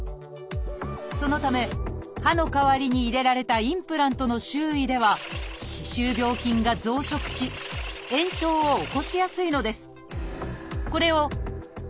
そのため歯の代わりに入れられたインプラントの周囲では歯周病菌が増殖し炎症を起こしやすいのです。